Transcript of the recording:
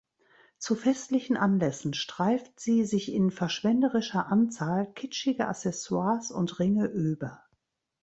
Zu festlichen Anlässen streift sie sich in verschwenderischer Anzahl kitschige Accessoires und Ringe über.